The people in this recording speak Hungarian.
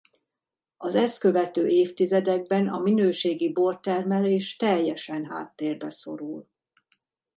Az ezt követő évtizedekben a minőségi bortermelés teljesen háttérbe szorul.